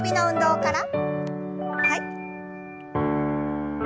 はい。